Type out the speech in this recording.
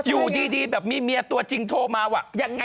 อยู่ดีมีเมียตัวจริงโทรมาว่ะ